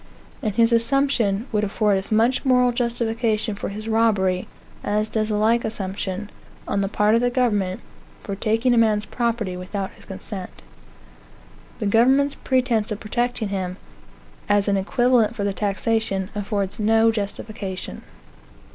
And his assumption would afford as much moral justification for his robbery as does a like assumption, on the part of the government, for taking a man's property without his consent. The government's pretence of protecting him, as an equivalent for the taxation, affords no justification.